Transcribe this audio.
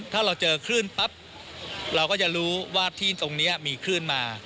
ถ้าเราเจอคลื่นปั๊บเราก็จะรู้ว่าที่ตรงนี้มีคลื่นมา